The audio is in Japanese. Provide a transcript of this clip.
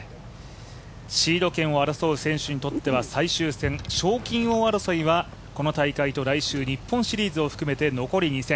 シード権を争う選手にとっては最終戦、賞金王争いはこの大会と来週、日本シリーズを含めて残り２戦。